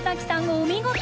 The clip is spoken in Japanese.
お見事！